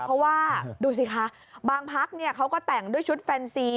เพราะว่าดูสิคะบางพักเขาก็แต่งด้วยชุดแฟนซี